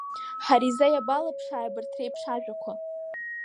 Ҳариза иабалыԥшааи абарҭ реиԥш ажәақәа?!